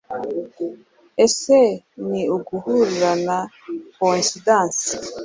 Ese ni uguhurirana Coincidence